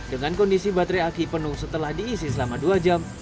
dengan kondisi baterai aki penuh setelah diisi selama dua jam